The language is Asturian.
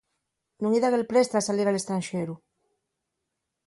Nun-y dan el preste al salir al estranxeru.